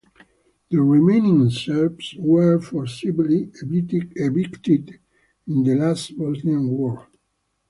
The remaining Serbs were forcibly evicted in the last Bosnian war.